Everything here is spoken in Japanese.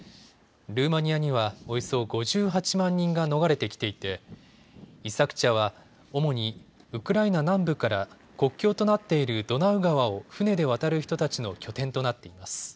ルーマニアにはおよそ５８万人が逃れてきていてイサクチャは主にウクライナ南部から国境となっているドナウ川を船で渡る人たちの拠点となっています。